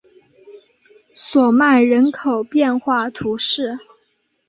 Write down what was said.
索曼人口变化图示